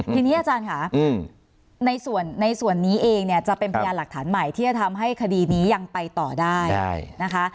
ทีนี้อาจารย์ค่ะในส่วนนี้เองเนี่ยจะเป็นพยานหลักฐานใหม่ที่จะทำให้คดีนี้ยังไปต่อได้นะคะ